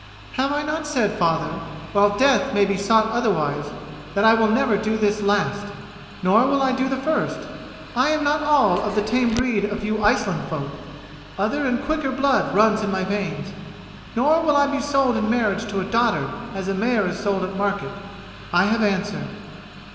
"Have I not said, father, while death may be sought otherwise, that I will never do this last? Nor will I do the first. I am not all of the tame breed of you Iceland folk—other and quicker blood runs in my veins; nor will I be sold in marriage to a dotard as a mare is sold at a market. I have answered."